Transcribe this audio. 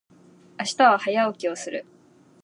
明日は早起きをする。